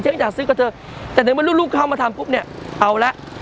อยากซื้อกับเธอแต่ในเมื่อลูกเข้ามาทำปุ๊บเนี่ยเอาละ